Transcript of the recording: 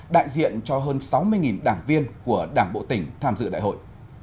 đại diện cho hơn sáu mươi đảng viên của đảng bộ tỉnh tham dự đại hội